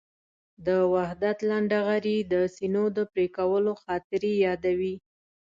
د وحدت لنډهغري د سینو د پرېکولو خاطرې یادوي.